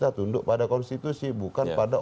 kita tunduk pada konstitusi bukan pada